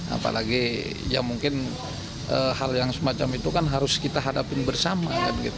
apalagi ya mungkin hal yang semacam itu kan harus kita hadapin bersama